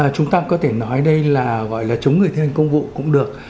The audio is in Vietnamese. chúng ta có thể nói đây là gọi là chống người thi hành công vụ cũng được